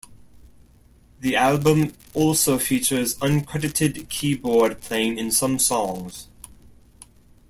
The album also features uncredited keyboard playing in some songs.